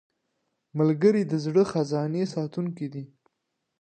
ملګری د زړه خزانې ساتونکی دی